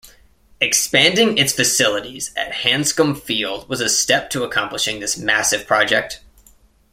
Expanding its facilities at Hanscom Field was a step to accomplishing this massive project.